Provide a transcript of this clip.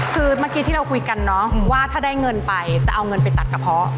คือเมื่อกี้ที่เราคุยกันเนาะว่าถ้าได้เงินไปจะเอาเงินไปตัดกระเพาะ